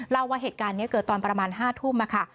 เล่าว่าเหตุการณ์นี้เกิดตอนประมาณ๕ทุ่มค่ะ